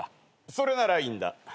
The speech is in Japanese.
それならいいんだ。